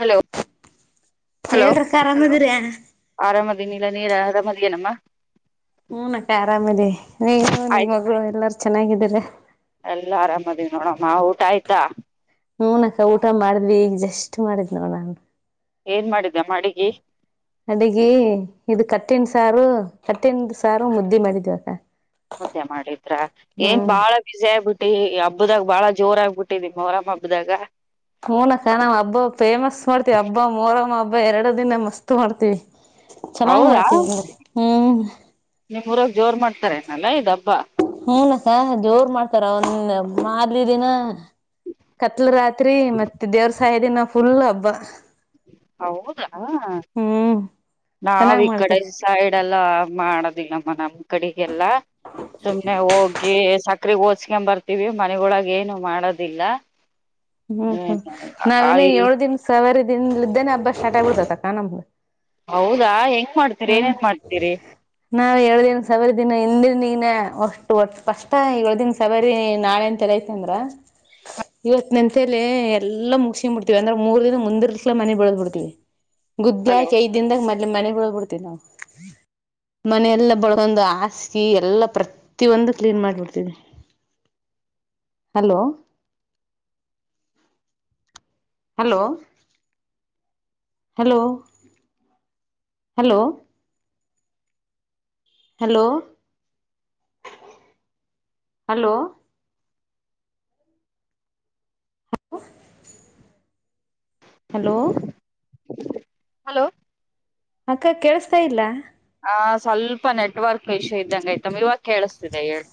Hello ಹೇಳ್ರಕ್ಕಾ ಆರಾಮಿದಿರಾ? ಆರಾಮದಿನೀ ನೀರ ಆರಾಮದಿಯೇನಮ್ಮ. ಹ್ಮ್ ನತ್ತೆ ಆರಾಮದಿವಿ ನೀನು ನಿನ್ ಮಗಳು ಎಲ್ಲರೂ ಚೆನ್ನಾಗಿದ್ದೀರಾ? ಎಲ್ಲ ಆರಾಮದಿವಿ ನೋಡಮ್ಮ ಊಟ ಆಯ್ತಾ? ಹೂಂನಕ್ಕ ಊಟ ಮಾಡಿದ್ವಿ ಈಗ ಜಸ್ಟ್ ಮಾಡಿದ್ ನೋಡ ನಾನು. ಏನ್ ಮಾಡಿದ್ಯಮ್ಮಾ ಅಡಿಗಿ? ಅಡಿಗಿ ಇದು ಕಟ್ಟಿನ ಸಾರು ಕಟ್ಟಿನ ಸಾರು ಮುದ್ದಿ ಮಾಡಿದ್ವಕ್ಕ. ಮುದೆ ಮಾಡಿದ್ರ ಏನ್ ಬಾಳ ಬಸಿ ಆಗ್ಬಿಟ್ಟಿ ಈ ಹಬ್ಬದಾಗ ಬಾಳ ಜೋರ ಆಗ್ಬಿಟ್ಟಿದ ಮೊಹರಂ ಹಬ್ಬ್ದಾಗ. ಹುಂ ನಕ್ಕ ನಾವ್ ಹಬ್ಬ ಫೇಮಸ್ ಮಾಡ್ತೀವಿ ಹಬ್ಬ ಮೋರಮ್ಮ ಹಬ್ಬ ಎರಡ ದಿನ ಮಸ್ತ್ ಮಾಡ್ತೀವಿ. ಚೆನ್ನಾಗ್ ಮಾಡ್ತೀವಿ ಅಂದೆ ಹ್ಮ್. ನೀವ್ ಊರಾಗ ಜೋರ್ ಮಾಡ್ತಾರೆನಲ್ಲಾ ಇದ ಹಬ್ಬ. ಹೂನಕ್ಕ ಜೋರ್ ಮಾಡ್ತಾರ ಒಂದ ಮಾರ್ಲಿದಿನ ಕತ್ಲ ರಾತ್ರಿ ಮತ್ತೆ ದೇವ್ರ ಸಾಯ ದಿನ ಫುಲ್ ಹಬ್ಬ. ಹೌದಾ ಹ್ಮ್ ನಾವ್ ಚೆನ್ನಾಗ್ ಈ ಕಡೆ ಮಾಡ್ತೀವಿ ಸೈಡ್ ಎಲ್ಲಾ ಮಾಡದಿಲ್ಲಮ್ಮ ನಮ್ ಕಡಿಗೆಲ್ಲ ಸುಮಮ್ಮನೆ ಹೋಗಿ ಸ ಕ್ರಿ ಓಚ್ಸ್ಕೊಂಡ ಬರ್ತೀವಿ ಮನೆಗೊಳಗ ಏನು ಮಾಡದಿಲ್ಲ. ಹ್ಮ್ ಹ್ಮ್ ನಾವಿನ ಏಳ ದಿನ ಸವಾರಿ ದಿನ್ಲಿದ್ದೆನೆ ಹಬ್ಬ ಸ್ಟಾರ್ಟ್ ಆಗ್ಬಿಡ್ತದ್ ಅಕ್ಕಾ ನಮ್ದ. ಹೌದಾ ಹೆಂಗ ಮಾಡ್ತ ಹ್ಮ್ ನಾವ್ ಏಳ ದೀನ್ ಸವಾರಿ ದಿನ ಹಿಂದಿನ ದಿನ ಒಷ್ಟು ಕಷ್ಟ ಏಳ ದೀನ್ ಸವಾರಿ ನಾಳೆಂತ ಐತಂದ್ರ ಇವತ್ ನೆಂತಲಿ ಎಲ್ಲಾ ಮುಗಸ್ಕೊಂಡ ಬಿಡ್ತೀವಿ ಅಂದ್ರೆ ಮೂರ್ ದಿನ ಮುಂದಿರ್ಸ್ಲ ಮನೆ ಬಳದ್ ಬಿಡ್ತಿವಿ. [inaudible] ಗುದ್ದಿ ಹಾಕಿ ಐದ ದಿನದಾಗ ಮೊದ್ಲಿ ಮನೆಗಳ ಬಿಡ್ತೀವಿ ನಾವು ಮನೆಯ ಎಲ್ಲ ಬಳೊಂದು ಹಾಸಿಗಿ ಎಲ್ಲಾ ಪ್ರತಿಯೊಂದು clean ಮಾಡಿಬಿಡ್ತೇವ್ರಿ. [unintelligible] Hello. Hello hello hello. Hello hello. Hello. Hello. Hello. ಅಕ್ಕಾ ಕೇಳಸ್ತಾ ಇಲ್ಲ? ಆ ಸ್ವಲ್ಪ ನೆಟ್ವರ್ಕ್ ಇಶ್ಯೂ ಇದ್ದಂಗ ಆಯ್ತಮ್ಮ ಇವಾಗ ಕೇಳಿಸ್ತಿದೆ ಹೇಳು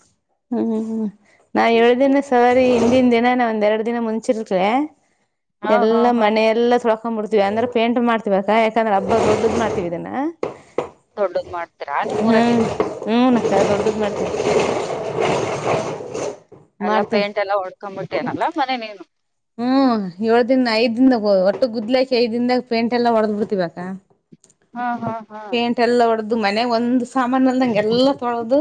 ಹ್ಮ್ ನಾ ಹೇಳ್ದೇನೆ ಸರಿ ಹಿಂದಿನ ದಿನ ನ ಒಂದ್ ಎರಡು ದಿನ ಮುಂಚೆನೆ ಹಾ ಹಾ ಎಲ್ಲಾ ಹಾ ಮನೆ ಎಲ್ಲ ತೊಳ್ಕೊಂಡ್ ಹಾಕೊಂಡ್ಬಿಡ್ತಿವಿ ಅಂದ್ರೆ ಪೇಂಟ್ ಮಾಡ್ತತಿವಾ ಯಾಕಂದ್ರ ಹಬ್ಬ ದೊಡ್ಡದ ಮಾಡ್ತವಿ ಇದನ್ನ ದೊಡ್ಡದು ಮಾಡ್ತಿರಾ ನಿಮ್ಮ ಊರಾಗಿದ್ದ ಹೂ ನ ಅಕ್ಕಾ ದೊಡ್ಡದ ಮಾಡ್ತೇವಿ. ಎಲ್ಲ ಮಾಡ್ತೇವಿ ಪೇಂಟ್ ಎಲ್ಲ ಹೊಡ್ಕೊಂಡ್ಂಬಿಟ್ಟೇನಲ್ಲಾ ಮನೆ ನೀನು. ಹ್ಮ್ ಏಳು ದಿನ ಐದ ದನ್ದಾಗ ಒಟ್ಟು ಗುದ್ಲಿಕ ಐದ ದನ್ದಾಗ ಪೇಂಟ್ ಎಲ್ಲ ಹೊಡೆದ್ ಬಿಡ್ತಿವಾ ಅಕ್ಕಾ. ಹಾ ಹಾ ಹಾ. ಎಲ್ಲ ಹೊಡೆದ ಮನೆ ಒಂದು್ ಸಾಮಾನ ಅಲ್ಲ ನಂಗೆ ಎಲ್ಲ ತೊಳದು.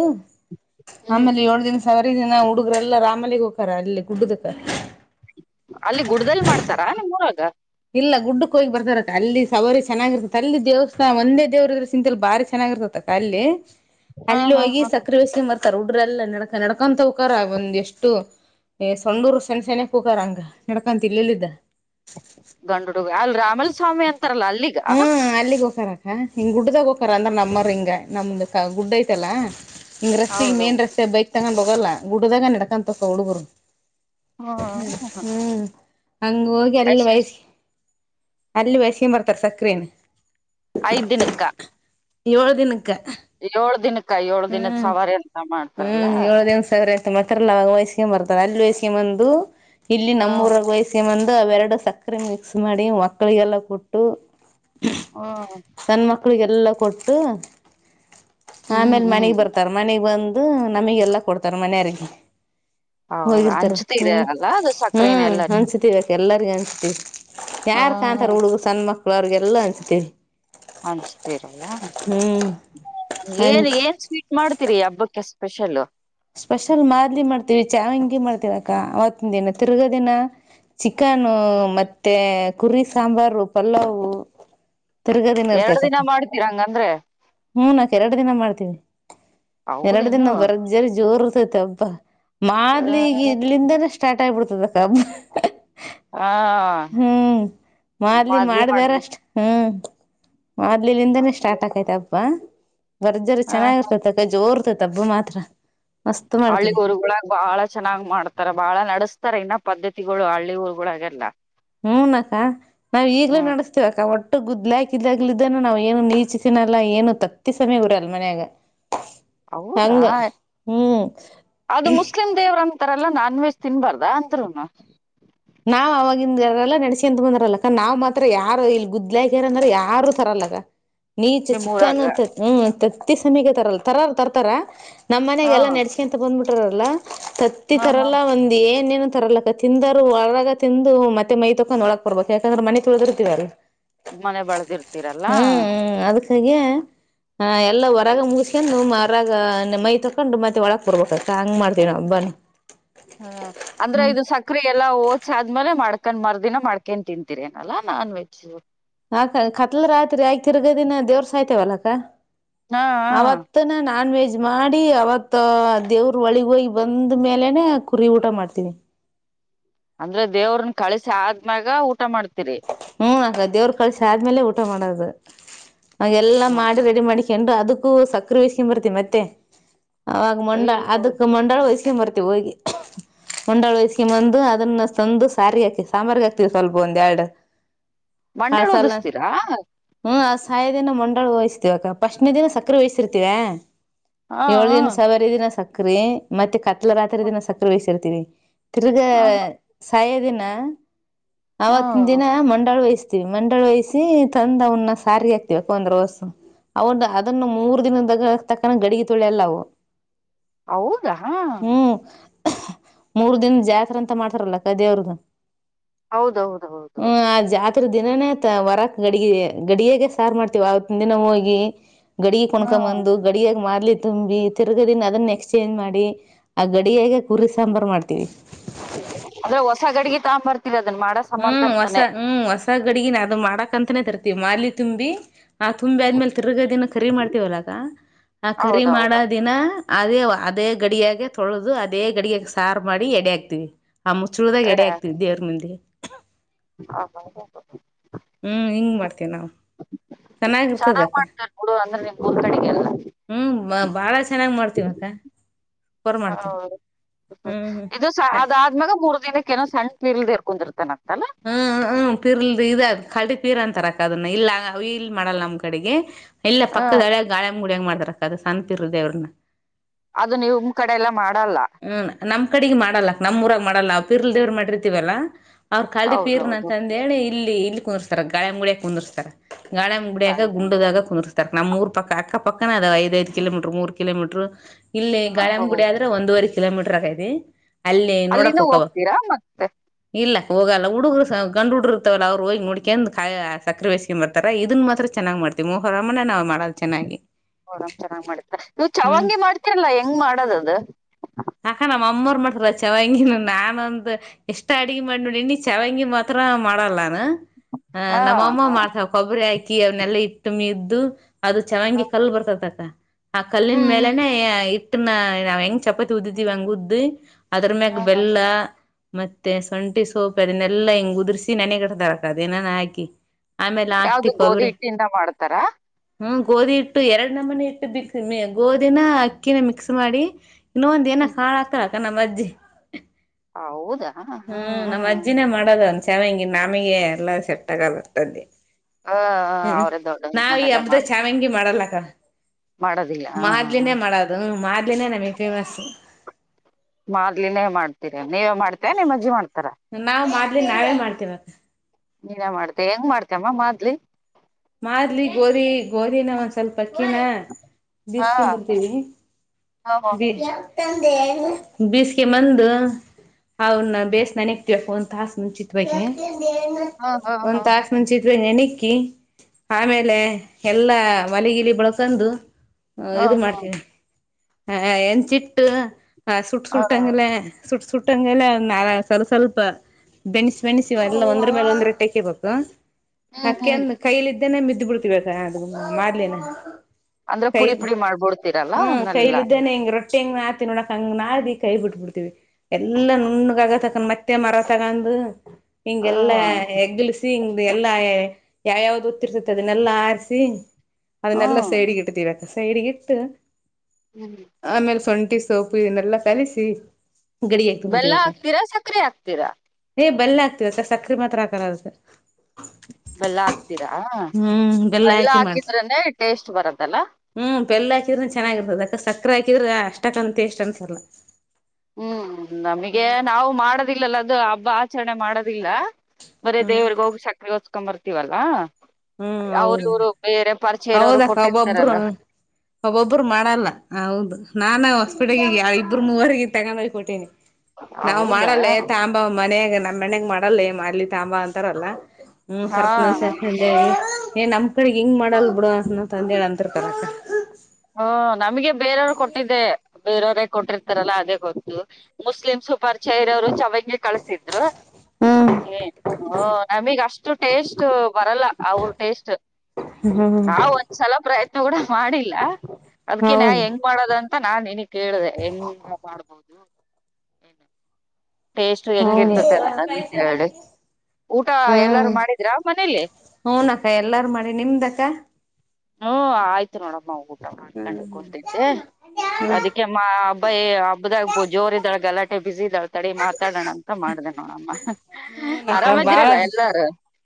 ಹ್ಮ್ ಆಮೇಲೆ ಏಳು ದಿನ ಸವ ದಿನ ಹುಡುಗ್ರಲ್ಲ ರಾಮಲ್ಲಿಗ್ ಹೋಗಕಾರ ಅಲ್ಲಿ ಗುಡ್ಡದಕ. ಅಲ್ಲಿ ಗುಡ್ದದಲ್ಲಿ ಮಾಡ್ತಾರಾ ನಿಮ್ಮ ಮೂರಾಗ. ಇಲ್ಲ ಗುಡ್ಡಕ್ ಹೋಗಿ ಬರ್ತಾರತ್ತ ಅಲ್ಲಿ ಸವರಿ ಚೆನ್ನಗಿರ್ತ ಅಲ್ಲಿ ದೇವಸ್ಥಾನ ಒಂದೇ ದವರು ಇದ್ರ ಚಂತೆಲ್ಲಿ ಬಾರಿ ಚೆನ್ನಾಗಿರ್ತತಿ. ಅಲ್ಲಿ ಹಾ ಅಲ್ಲಿ ಹಾ ಹೋಗಿ ಹಾ ಸಕರೆ ವಸ್ಗುಂಡ್ ಬರತಾರೆ. ಡ್ರಲ್ಲ ನಡಕ ನಡ್ಕೊಂತ ಉಕಾರ ಒಂದ್ ಎಷ್ಟು. ಏ ಸಣ್ಣೂಡೂರ್ ಸಣ್ಣ ಸಣ್ಣ ಕುೂಕಾರ್ ಹಂಗ ನಡಕಂತ ಇಲಿಲ್ದಾ. ಗಂಡು ಹುಡುಗ ಅಲ್ಲಿ ರಾಮಲು ಸ್ವಾಮಿ ಅಂತಾರಲ್ಲ ಅಲ್ಲಿ. ಹ್ಮ್ ಅಲ್ಲಿಗೆ ಹೋಕಾರ. ಹ ಹಿಂಗ ಗುಡ್ಡ್ದಾಗ ಹಕಾರ ಅಂದ್ರ ನಮ್ಮರ್ ಹಿಂಗ ನಮ್ದ ಗುಡ್ ಐತಲ್ಲಾ. ಹಿಂಗ ರಸ್ತೆಗ್ ಮೇನ್ ಹೌದೌದು ರಸ್ತೆ ಬೈಕ್ ತಗೊಂಡ್ ಹೋಗಲ್ಲ ಗುಡದಾಗ ನೆಡ್ಕಂತಸ ಹುಡುಗರು. ಹ ಹ್ಮ ಹ್ಮ್ ಹಂಗ ಹೋಗಿ ಅಲ್ಲಿ ಎಷ್ಟ್ ಬಯಸ. ಅಲ್ಲಿ ವಯಸ್ಸಕಂಡ ಬರ್ತಾರ ಸಕ್ರೆನು. ಐದ್ ದಿನಕ್ಕ. ಏಳು ದಿನಕ್ಕೆ. ಏಳ ದಿನಕ್ಕಿ ಏಳ ದಿನದ ಸವಾರಿ ಎಂತ ಮಾಡ್ತಾರಲ್ಲಾ. ಹ ಸಾವಿರ ಆಯತ ಮಾತ್ರಲ್ಲ ಅವಾಗ ವಯಸ್ಸಿಗೆ ಬರ್ತಾರೆ ಅಲ್ಲಿ ವಯಸ್ಸಗೆ ಬಂದು ಇಲ್ಲಿ ಹ್ಮ ನಮ್ಮೂಊರಾಗ ವಯಸ್. ಬಂದು ಅವೆರಡು ಸಕ್ಕರೆ ಮಿಕ್ಸ್ ಮಾಡಿ ಮಕ್ಕಳಿಗೆಲ್ಲ ಕೊಟ್ಟು. ಹ್ಮ್. ಸಣ್ಣ ಮಕ್ಳಿಗೆಲ್ಲ ಕೊಟ್ಟು. ಹ್ಮ್ ಹ್ಮ್ ಆಮೇಲೆ ಹ್ಮ್ ಮನೆಗ್ ಬರ್ತಾರ ಮನೆಗ್ ಬಂದು ನಮಗೆ ಎಲ್ಲ ಕೊಡ್ತಾರ ಮನೆಯಿಗೆ. ಹೌದ ಹೋಗಿರ್ತಾರ ಹಂಚ್ತೀರ ಹ್ಮ್ ಅಲ್ಲ ಅದು ಸಕ್ಕರೆನ ಹ್ಮ್ ಎಲ್ಲರಿಗೂ ಅನ್ಸತಿವೆ. ಎಲ್ಲರಿಗೆ ಅನ್ಸತಿವಿ ಯಾರು ಹ್ಮ ಕಾಂತಾರೆ ಹುಡುಗ ಸಣ್ಣ ಮಕ್ಳು ಅವ್ರಿಗೆರಿಗೆಲ್ಲ ಅನ್ಸತಿವಿ. ಅಂಚಿಸತರಲ್ಲ ಹ್ಮ್ ಏನ್ ಹಂಚ್ ಏನ್ ಸ್ವೀಟ್. ಮಾಡ್ತೀರಿ ಹಬ್ಬಕ್ಕೆ ಸ್ಪೆಷಲ್. ಸ್ಪೆಷಲ್ ಮಾದ್ಲಿ ಮಾಡ್ತೀವಿ ಚಾವಂಗಿ ಮಾಡ್ತೀವ ಅಕ್ಕ ಅವತ್ತಿನ ದಿನ ತಿರ್ಗಾ ದಿನ. ಚಿಕನು ಮತ್ತೆ ಕುರಿ ಸಾಂಬಾರು ಪಲ್ಲಾವು. ದುರ್ಗಾ ದಿನ ಎರಡ್ ಇರ್ತೈತ ಅಕ್ಕ ಮಾಡ್ತೀರ ಹಂಗಂದ್ರೆ ಹೂನಕ ಎರಡು ದಿನ ಮಾಡ್ತೀವಿ. ಹೌದೇನು. ಜರಿ ಜೋರ್ ಇರ್ತೈತಿ ಹಬ್ಬ ಮಾದಲಿ ಗಿದಲಿ ಇಲಿಂದನೇ ಸ್ಟಾರ್ಟ್ ಆಗಿಬಿಡ್ತದ ಹಬ್ಬ. ಹಾ. ಹ್ಮ್ ಮಾದಲಿ ಮಾಡ್ಬೇಕ ಮಾಡ್ದಾರಷ್ಟ. ಹ್ಮ್ ಮದ್ಲಲಿಂದಾನೇ ಸ್ಟಾರ್ಟ್ ಆಕೈತ ಹಬ್ಬಾ ಬರ್ಜರ ಹ ಚೆನ್ನಾಗಿರ್ತತಿ. ಕ್ಕ ಜೋರ್ತತ್ ಹಬ್ಬ ಮಾತ್ರ. ಮಸ್ತ್ ಮಾಡ್ತೀವಿ ಹಳ್ಳಿಗ್ ಹರ್ಗಳಳ ಬಾಳ. ಚೆನ್ನಾಗ್ ಮಾಡ್ತಾರ ಬಾಳ ನಡೆಸ್ತಾರೆ ಇನ್ನ ಪದ್ದತಿಗಳು ಹಳ್ಳಿ ಊಗಳಾಗೆಲ್ಲ. ಹ್ಮ ನಕ್ಕ ನಾವ್ ಈಗ್ಲೂ ನಡಸ್. ಕ್ಕಾ ಒಟ್ಟು ಗುದ್ಲಾಕಿದಾಗಲ ಇದಾನೂ ನಾವ್ ಏನು ನೀಚಿಸಿನಲ್ಲ ಏನು ತತ್ತಿ ಸಮಯ ಉರಲ್ಲ ಮನ್ಯಾಗ. ಹೌದಾ..... ಹಂಗ ಹ್ಮ್ ಅದು ಮುಸ್ಲಿಂ. ದೇವ್ರ ಅಂತಾರಲ್ಲಾ ನಾನ್ವೆಜ್ ತಿನ್ಬಾರ್ದ ಅಂದ್ರನು. ನಾವ್ ಅವೇಗಿಂದ ಯಾರಲ್ಲಾ ನಡಸಿ ಅಂತ ಬಂದರಲ್ಲಕ್ಕ ನಾವ್ ಮಾತ್ರ ಯಾರು ಇಲ್ ಗುದ್ಲಾಗ್ಯಾರ ಅಂದ್ರ ಯಾರು ತರಲ್ಲಕ್ಕ. ನೀಚ ನಿಮ್ ಊರಾಗ ಚಿಕ್ಕನು ಹ್ಮ್ ತತ್ತಿ ಸಮಯಕ್ಕೆ ತರಲ್ಲ ತರ ತರ್ತಾರ ನಮ್ಮ ಹ ಮನೆಗೆಲ್ಲಾ ನಡ್ಸ. ತ್ತ ಬಂದ್ ಬಿಟಾರಲ್ಲಾ ತತ್ತಿ ಹಾ ಹಾ ತರಲ್ಲ ಒಂದ ಏನೇನು ತರಲ್ಲಕ್ಕಾ ತಿಂದ ಒರಗ ತಿಂದು ಮತ್ತೆ ಮೈ ತಕ್ಕೊಂಡ ಒಳಾಕ್ ಬರ್ಬೇಕು ಯಾಕಂದ್ರ ಮನೆ ತೊಳಿದಿರ್ತಿವಲ್ಲ ಮನೆ ಬಳದಿರ್ತೀರಲ್ಲಾ ಗೆ ಹ ಎಲ್ಲ ಹೊರಗ ಮುಗಿಸಿಗ್ಯೆಂಡ ಹೊರಗ ಮೈ ತೊಕೊಂಡು ಮತ್ತೆ ಒಳಕ್ ಬರ್ಬೇಕಕ್ಕಾ ಹಂಗ್ ಮಾಡ್ತೀವಿ ಹಬ್ಬಾನ ಹ್ಮ ಅಂದ್ರೆ ಇದು ಸ ಬಕ್ರಿ ಎಲ್ಲ ಓದ್ಸಿ ಆದ್ಮೇಲೆ ಮಾಡ್ಕೊಂಡ್ ಮರ್ದಿನ ಮಾಡ್ಕೊಂಡ ತಿಂತೀರೇನಲ್ಲಾ ನಾನ್ ವೆಜ್ ಅಕ್ಕಾ ಕತ್ಲ ರಾತ್ರಿ ಯಾಗಿ ತಿರ್ಗದಿನ ದೇವರ್ ಸಾಯ್ತವಲ್ಲ ಅಕ್ಕ ಹಾ [inaudible] ಆವತ್ ಮತ್ತ ನಾನ್ ವೆಜ್ ಮಾಡಿ ಅವತ್ತ ದೇವ್ರ ಒಳಿಗೆ ಹೋಗಿ ಬಂದ ಮೇಲೆನೆ ಕುರಿ ಊಟ ಮಾಡ್ತೀನಿ ಅಂದ್ರ ದೇವ್ರನ್ನ ಕಳಸಿ ಆದ್ಮ್ಯಾಗ ಊಟ ಮಾಡ್ತೀರಿ ಹ್ಮ್ ಅಕ್ಕಾ ದೇವ್ರ ಕಳಿಸಿ ಆದ್ಮೇಲೆ ಊಟ ಮಾಡೋದು ಅವ ಎಲ್ಲಾ ಮಾಡಿ ರೆಡಿ ಮಾಡಿ ಕೆಂಡ್ರ ಅದಕ್ಕೂ ಸಕ್ಕರೆ ಹೊಯಿಸ್ಕೊಂಡ್ ಬರ್ತವಿ ಮತ್ತೆ ಅವಾಗ ಮಂಡಾ ಅಯ್ಯೋ ಅದಕ್ ಮಂಡಾಳ ವಯಸ್ಕೊಂಡ ಬರ್ತೀವಿ ಹೋಗಿ ಮಂಡಾಳ್ ವಯಿಸ್ಕೆಂಡ ಬಂದು ಅದನ್ನ ತಂದು ಸಾರಿಗೆ ಹಾಕಿ ಸಾಂಬಾರ್ ಗೆ ಹಾಕ್ತಿವಿ ಸ್ವಲ್ಪ ಒಂದು ಆಳ್ಡ್ ಮಂಡಾಳ್ ಓದಿಸ್ತೀರಾ. ಹ್ಮ್ ಸಾಯ ದಿನ ಮಂಡಾಳ ವಹಿಸ್ತೀವ ಪಸ್ನೆ ದಿನ ಸಕ್ಕ್ರೀ ವಹಿಸಿರ್ತಿವ ಹ ಏಳ್ ದಿನ ಹ ಸವಾರಿ ದಿನ ಸಕ್ರೀ ಮತ್ತೆ ಕತ್ಲ ರಾತ್ರಿ ದಿನ ಸಕ್ರಿ ವಯಿಸಿರ್ತೀವಿ ತಿರಗಾ ಹ ಸಾಯೊ ದಿನಾ ಹೂ. ಮಂಡಳ ವಯಿಸ್ತೀವಿ ಮಂಡಳ ವಯಿಸಿ ತಂದ ಅವನ್ನ ಸಾರಿಗೆ ಹಾಕ್ತಿವ ಒಂದ್ ರೊಸ್ ಹೌದ ಅದನ್ನ ಮೂರು ದಿನದಕ್ ತಕ್ಕನ ಗಡಿಗೆ ತೊಳೆಲ್ಲ ನಾವು ಹೌದಾ ಹ್ಹ ಹ್ಮ್ ಮೂರ್ ದಿನದ್ ಜಾತ್ರೆ ಅಂತ ಮಾಡ್ತಾರಲ್ಲಕ್ಕಾ ದೆವ್ರದ್ ಹೌದೌದು. ಹ್ಮೂ ಆ ಜಾತ್ ತ್ರೀ ದಿನಾನೇ ಆತ್ ವರಕ್ ಗಡಿಗಿ ಗಡಿಯಾಗೆ ಸಾರ್ ಮಾಡ್ತೀವ ಅವತ್ತಿನ ದಿನ ಹೋಗಿ ಗಡಗಿ ಹ್ಮ್ ಕೊಂಡ್ಕೊಂಬಂದು ಗಡಿಯಾಗಿ ಮಾದ್ಲಿ ತುಂಬಿ ತಿರ್ಗದಿನ ಅದನ್ನ ಎಕ್ಸ್ಚೇಂಜ್ ಮಾಡಿ ಆ ಗಡಿಗ್ಯಾಗ ಕುರಿ ಸಾಂಬಾರ್ ಮಾಡ್ತೀವಿ. ಅಂದ್ರೆ ಹೊಸ ಗಡಿಗೆ ತಾಂಬರ್ತಿರ ಅದನ್ ಮಾಡ ಹ್ಮ್ ಹೊಸ ಹ್ಮ್ ಹೊಸ ಗಡಗಿನ ಅದ ಮಾಡಕಂತನೇ ತರ್ತಿವಿ ಮಾದ್ಲಿ ತುಂಬಿ ತುಂಬಿ ಹ್ಮ್ ಆದ್ಮೇಲೆ ತಿರ್ಗ ದಿನ ಕರಿ ಮಾಡ್ತವಲ್ಲಕ್ಕಾ ಆ ಕರಿ ಮಾಡ ಹೌದೌದ ದಿನಾ ಅದೇ ಅದೇ ಗಡಿಯಾಗೆ ತೊಳೆದು ಅದೇ ಗಡಿಯಾಗ ಸಾರ್ ಮಾಡಿ ಎಡೆ ಹಾಕ್ತಿವಿ ಆ ಮುಚ್ಚಳದಾಗ ಎಡೆ ಹಿಕ್ತಿವ್ ದೇವ್ರ ಮುಂದೆ ಅಬಾಬಬಬ [inaudible] ಹ್ಮ್ ಹಿಂಗ್ ಮಾಡ್ತೇವಿ ನಾವು. ಚೆನ್ನಾಗಿರ್ತದ ಚೆನ್ನಾಗ್ ಅಕ್ಕ ಮಾಡ್ತಾರೆ ಬಿಡು ಅಂದ್ರೆ ನಿಮ್ ಊರ್ ಕಡೆಗೆಲ್ಲಾ ಹ್ಮ್ ಮ ಬಾಳ ಚೆನ್ನಾಗ್ ಮಾಡ್ತಿವಕ್ಕಾ ಹೌದು [unintelligible] ಇದು ಸಾ ಹ್ಮ್ ಅದಾದ್ಮ್ಯಗ ಮೂರ್ ದಿನಕ್ಕ ಏನೊ ಸಣ್ಣ ಪೀರಲ್ ದೆವ್ರ ಕುಂದರ್ತಾನ ಅಂತಲ್ಲಾ ಹ್ಮ್ ಹ್ಮ ಪಿರ್ಲ್ ದ ಇದು ಖಾಡಿ ಪೀರ್ ಅಂತಾರಕ್ಕಾ ಅದನ್ನ ಇಲ್ಲಾ ಇಲ್ ಮಾಡಲ್ಲ ನಮ್ ಕಡೆಗೆ ಇಲ್ಲೆ ಹ ಪಕ್ಕದ ಹಳ್ಳ್ಯಾಗ ಗಾಳೆಮ್ಮ ಗುಡಿಯಾಗ ಮಾಡ್ತಾರಕ್ಕ ಅದ ಸಣ್ಣ್ ಪೀರಲ್ ದೇವ್ರನ್ನ. ಅದು ನೀವುಮ್ ಕಡೆ ಎಲ್ಲ ಮಾಡಲ್ಲಾ ಹ್ಮ ನಮ್ಮ್ ಕಡೆಗ್ ಮಾಡಲ್ಲಕ್ಕಾ ನಮ್ಮ್ ಊರಾಗ ಮಾಡಲ್ಲ ನಾವ ಪಿರ್ಲ್ ದೇವ್ರು ಮಾಡಿರ್ತೀವಲ್ಲಾ ಅವ್ರ ಕಾಲ್ದೀ ಪೀರ್ನ ಹೌದೌದು ಅಂತಂದೇಳಿ ಇಲ್ಲಿ ಇಲ್ಲಿ ಕುಂದರ್ಸ್ತಾರ ಗಾಳೆಮ್ಮ ಗುಡ್ಯಾಗ ಕುಂದರ್ಸ್ತಾರ. ಗಾಳೆಮ್ಮ ಗುಡಿಯಾಗ ಗುಂಡದಾಗ ಕುಂದರ್ಸ್ತಾರೆ ನಮ್ ಊರ್ ಪಕ್ಕ ಅಕ್ಕಾ ಪ ಪಕ್ಕನದ ಐದಐದು ಕಿಲೋಮೀಟರ್ ಮೂರ್ ಕಿಲೋಮೀಟ್ರ್ ಇಲ್ಲಿ ಹ ಗಾಳ್ಯಮ ಹೌದು ಗುಡಿ ಆದ್ರೆ ಒಂದವರೆ. ಕಿಲೋಮೀಟರ್ ಆಗೈತಿ ಅಲ್ಲಿ ನೋಡಕ್ ಅಲ್ಲಿನೂ ಹೊಕವ ಹೋಗ್ತೀರಾ ಮತ್ತೆ ಇಲ್ಲ- ಹೋಗಲ್ಲ ಹುಡುಗರು ಗಂಡ ಹುಡುಗರುರ್ತವಲ್ಲ ಅವ್ರರು ಹೋಗಿ ನೋಡಕೊಂದ ಕಾಯಿ ಸಕರೆ ಬೇಸ್ಕೊಂಡ ಬರ್ತಾರ ಇದನ್ನ ಮಾತ್ರ ಚೆನ್ನ್ ಮಾಡ್ತಾರೆ. ಮೊಹರಂನೆ ನಾವ್ ಮಾಡದು ಚೆನ್ನಾಗಿ. ಮೊಹರಂ ಚೆನ್ನಾಗಿ ಮಾಡಿದ ಮೇಲೆ ನೀವು ಹ್ಮ್ ಚೆವಂಗಿ ಮಾಡ್ತಿರಲ್ಲಾ ಹೆಂಗ್ ಮಾಡದದದು. ಅಕ್ಕ ನಮ್ಮ ಅಮ್ಮರು ಮಾಡರು ಚವಂಗಿನ ನಾನ ಒಂದು. ಎಷ್ಟ ಅಡ್ಗೆ ಮಾಡಿ ನೋಡಿ ಚವಂಗಿ ಮಾತ್ರ ಮಾಡಲ್ಲಾ ನಾನ. ಹ ಹಾ ನಮ್ಮಅಮ್ಮ ಹಾ ಮಾಡ್ತಾಳ ಕೊಬ್ಬರಿ ಹಾಕಿ ಅವನೆಲ್ಲಾ ಇಟ್ಟು ಮ್ದು. ಅದು ಚೆನ್ನಂಗಿ ಕಲ್ಲು ಬರ್ತತಕ್ಕ ಆ ಕಲ್ಲಿನ್ ಹ್ಮ್ ಹ್ಮ್ ಮೇಲೆನೆೇ ಇಟ್ಟನ ಹೆಂಗ್ ಚಪಾತಿ. ತುದತಿವಿ ಹಂಗಉದ್ದಿ ಅದ್ರ ಮ್ಯಾಗ ಹ್ಮ್ ಬೆಲ್ಲ. ಮತ್ತೆ ಸೊಂಠಿ ಸೋಪ್ ಅದನ್ನೆಲ್ಲಾ ಹಿಂಗ್ ಉದುರ್ಸಿ ನನೆಗಿಡ ತರ ಅಕ್ಕ ಏನಾನ ಹಾಕಿ. ಆಮೇಲೆ ಯಾವದ ಲಾಸ್ಟಿಗ್ ಗೋಧಿ ಕೊಬ್ಬರಿ ಹಿಟ್ಟಿಂದ ಮಾಡ್ತಾರಾ. ಹ್ಮ್ ಗೋಧಿ ಹಿಟ್ಟು ಎರಡ ನಮಿನಿ ಹಿಟ್ಟು ಬಿಕ್ ಮ ಗೋಧಿನ ಅಕ್ಕಿನ ಮಿಕ್ಸ್ ಮಾಡಿ. ಇನ ಒಂದ ಕಾಳ ಅಕಾತಾಳ ಅಕ್ಕ ನಮ್ಮ ಅಜ್ಜಿ. ಹೌದಾ ಹ ಹ್ಮ್ ನಮ್ಮ ಹ ಅಜ್ಜಿನೇ ಮಾಡದ ಚಾವಂಗಿ ನಮಗೆ ಎಲ್ಲ ಸೆಟ್ಟಗಾಲರ್ತದ್ದಿ. ಹ ಅವ್ರೇ ದೊಡ್ಡ ನಾವ ಈ ಮನೇಲೆ ಹಬ್ಬದಾಗ ಮಾಡ ಚಾವಂಗಿ ಮಾಡಲ್ಲಕ್ಕ. ಮಾಡೋದಿಲ್ಲ ಹ ಮಾದ್ಲಿನೇ ಮಾಡೋದು ಮಾದ್ಲಿನೇ ನಮಗ್ ಫೇಮಸ್. ಮಾದಲಿನೆ ಮಾಡ್ತೀರಿ ನೀವೇ ಮಾಡ್ತೇ ನೀಮ್ಮ ಅಜ್ಜಿ ಮಾಡ್ತಾರಾ. ನಾವ್ ಮಾದಲಿ ನಾವೇ ಮಾಡ್ತಿವ ಅಕ್ಕ. ನೀನ ಮಾಡ್ತೆ ಹೆಂಗ್ ಮಾಡ್ತಮ್ಮ ಮಾದಲಿ. ಮಾದಲಿ ಗೋದೀ ಗೋದೀನ ಒಂದ್ ಸ್ವಲ್ಪ ಅಕ್ಕಿನ. ಹಾ ಬಿಸ್ಕಾಂದ ಬರ್ತೀವಿ ಹಾ ಹಾ ಬಿ ಬಿಸಗೆಬೆಂದು ಬಂದು ಅವನ್ನ ಬೇಸ್ ನೆನಾ ಕ್ತಿವಿ ಆ ಫೋನ್ ತೊಂಗಂಡ. ಮುಂಚಿತವಾಗಿ ಹಾ ಹಾ ಒಂದ್ ತಾಸ ಮುಂಚೆವಾಗಿ ನೆನಕ್ಕಿ. ಆಮೇಲೆ ಎಲ್ಲಾ ಒಲೆಗಿಲಿ ಬಳ್ಕೊಂಡು ಹಾ ಇದು ಹಾ ಮಾಡ್ತೀವಿ. ಹ ಎಂಚಿಟ್ಟ ಆ ಸುಟ್ಟ ಹಾ ಹಾ ಸುಟ್ಟಂಗಲೆ. ಸುಟ್ಟ ಸುಟ್ಟ ಸುಟ್ಟಂಗೆಲ್ಲ ಮ್ಯಾಲ ಸ್ವಲ ಸ್ವಲ್ಪ. ಬೆೆನ್ಸಿ ಬೆನ್ಸಿ ಎಲ್ಲ ಒಂದ್ರ ಮೇಲೆ ಒಂದ್ ತೆಕಬೇಕು. ಹ್ಮ್ ಹ್ಮ್ ಅದಕ್ಕನೆ ಕೈಲ ಇದ್ದೇನೆ ಮಿದ್ದ್ ಬಿಡ್ತಿವಿ ಅದು ಮಾದಲಿನ. ಅಂದ್ರೆ ಪುಡಿ ಕೈದ ಪುಡಿ ಮಾಡ್ಬಿಡ್ತೀರಲ್ಲ ಹ್ಮ ಅವನ್ನೆಲ್ಲ ಕೈಲ್ದೇನೆ ಹಿಂಗ ಚೆಂಗಾ ನಾದತಿವಿ ನೋಡಕ್ ಹಂಗ ನಾದಿ ಕೈ ಬಿಟ್ಬ ಬಿಡ್ತೀವಿ. ಎಲ್ಲಾ ನುಣಗ ಆಗತಕ ಮತ್ತೆ ಮರ ತಗೊಂದ. ಹಿಂಗ ಹ ಎಲ್ಲಾ ಎಗಳಿಸಿ ಹ ಎಲ್ಲಾ. ಯಾವ್ಯಾವ್ದ ಉತ್ತಿರ್ಸುತ್ತ ಅದನ್ನೆಲ್ಲ ಆರಿಸಿ ಅದನ್ನೆಲ್ಲಾ ಹ್ಮ್ ಸೈಡ್ಗಯಿಡತವಿ ಅಂತ ಸೈಡ್ಗಿಟ್ಟು. ಹ್ಮ. ಆಮೇಲೆ ಸೊಂಟಿ ಸೊಪು ಇದನ್ನೆಲ್ಲ ಕಲಸಿ. ಬೆಲ್ಲ ಹಾಕ್ತೀರಾ ಸಕ್ಕರೆೆ ಹಾಕ್ತೀರಾ. ಏ ಬೆಲ್ಲ ಹಾಕ್ತಿವಿ ಸಕ್ರರೆ ಮಾತ್ರ ಹಾಕಲ್ಲ ಅದ. ಬೆಲ್ಲ ಹಾಕ್ತೀರಾ ಹ್ಮ್ ಬೆಲ್ಲ ಹಾಕಿ ಮಾಡ್ತ ಹಾಕಿದ್ರನೇ ಟೇಸ್ಟ್ ಬರದಲ್ಲ. ಹ್ಮ್ ಬೆಲ್ಲ ಹಾಕಿದ್ರ ಚೆನ್ನಾಗಿರ್ತದ ಅಕ್ಕ ಸಕ್ಕ್ರರೆ ಹಾಕಿದ್ರ ಅಷ್ಟಕ್ಕ ಅಂತ ಇಸ್ಟಕ ಅಂತ ಅಲ್ಲ. ಹ್ಮ್ ನಮಗೆ ನಾವು ಮಾಡೋದಿಲ್ಲ ಅದು ಹಬ್ಬ ಆಚರಣೆ ಮಾಡದಿಲ್ಲ. ಬರೇ ಹ್ಮ್ ದೇವ್ರಿಗೆ ಹೋಗಿ ಸಕ್ಕರೆ ಒಚ್ಕೊಂಡ ಬರ್ತೀವಲ್ಲಾ. ಹ್ಮ್ ಅವ್ರ ಹೌದ ಇವ್ರು ಬೇರೆ ಪರಿಚಯರವರು ಕೊಟ್ಟಿರ್ತಾರಲ್ಲ. ಒಬ್ಬೊಬ್ಬರು ಮಾಡಲ್ಲ ಹೌದು ನಾನ ಹೊಸಪೇಟಗೆ. ಇಬ್ರು ಮೂವರೆಗ ತಗೊಂಡ್ ಹೋಗ ಕೊಟ್ಟೇನಿ ನಾವು ಹೌದಾ ಮಾಡಲ್ಲೇ ತ. ಮನಯಾಗ ನಮ್ಮ ಮಣಾಗ ಮಾಡಲ್ಲ ಅಲ್ಲಿ ತಾಂಬಾ ಅಂತಾರಲ್ಲ ಹ್ಮ ಹಾ ಕರ್ಪ. ಹಾ ಏ್ ನಮ್ಮ್ಡೆಗ್ ಹಿಂಗ್ ಮಾಡಲ್ ಬಿಡು ಅನ್ನ ಅಂದೇಳಿ ಅಂತರ್ ಕರಕ್ಕ. ಹ್ಮ್ ನಮ್ಗೆ ಬೇರೆಯವರು ಕೊಟ್ಟಿದ್ದೆ. ಬೇರವರೇ ಕೊಟ್ಟಿರ್ತಾರಲ್ಲ ಅದೇ ಗೊತ್ತು ಮುಸ್ಲಿಮ ಪರ್ಚ ಇರೋರು ಚ. ಹಗೆ ಕಳಸಿದ್ರು ಹ್ಮ್ ಹ. ಹಓ ನಮಗ್ ಅಷ್ಟು ಟೇಸ್ಟ್ ಬರಲ್ಲ ಅವ್ರ ಟೇಸ್ಟ್. ನಾವ ಒಂದ್ಸಲ ಪ್ರಯತ್ನ ಕೂಡ ಮಾಡಿಲ್ಲ ಅದಕ್ಕೆ ನ ಹೌದು ಹೆಂಗ. ಮಾಡದಂತ ನಾನ್ ನಿನ ಕೇಳ್ದ ಎಲ್ಲ ಮಾಡ್ಬೋದು. ಟೇಸ್ಟ್ ಹೆಂಗಿ ಹೌದು ಇರ್ತತೆ ಅಂತ ಹೇಳಿ ಊಟ ಎಲ್ಲಾರು ಮಾಡಿದ್ರ ಮನೇಲಿ. ಹ್ನ ಅಕ್ಕ ಎಲ್ಲಾರು ಮಾಡಿ ನಿಮ್ದಕ್ಕ. ಹ್ಮ ಆಯ್ತು ನೋಡಮ್ಮ ಊಟ ಹ್ಮ್ ಮಾಡ್ಕೊಂಡೆ ಹ್ಮ್ ಕುಂತಿದ್ದೆ ಅದಕ್ಕೆ. ಹಬ್ಬ ಹಬ್ಬದಾಗ ಜೋರ ಇದಳ ಗಲಾಟೆ ಬಿಸಿ ಇದಳ್ತಡೆ ಮಾತಾಡೋಣ ಅಂತ ಮಾಡ್ದ ನ. ಆಮ ಹ್ಮ ಅಕ್ಕ ಬಾಳ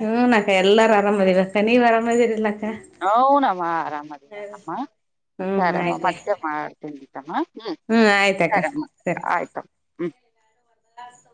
ಹೂನ ಅಕ್ಕ ಎಲ್ಲಾರ ಆರಾಮದಿರಕ್ಕ ನೀವ್ ಆರಾಮದಿರ್ಲ್ಲಕ್ಕ. ಹೌನಮ್ಮ ಆರಾಮದಿನಣಮ್ಮ ಹ್ಮ್ ಸರಿಮ್ಮ ಆಯ್ತ ಮತ್ತೆ ಮಾಡತನಿಮ್ಮ. ಹ್ಮ್ ಸರಿಮ್ಮ ಆಯ್ತು. ಹ ಸ